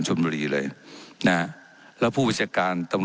เจ้าหน้าที่ของรัฐมันก็เป็นผู้ใต้มิชชาท่านนมตรี